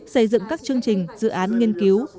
xây dựng các chương trình dự án nghiên cứu